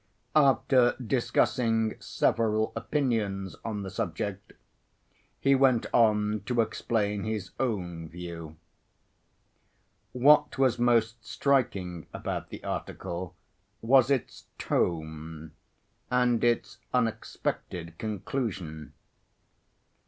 After discussing several opinions on the subject he went on to explain his own view. What was most striking about the article was its tone, and its unexpected conclusion.